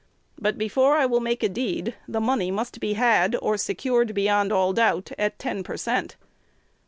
But, before I will make a deed, the money must be had, or secured beyond all doubt, at ten per cent.